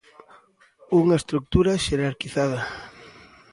Unha estrutura xerarquizada.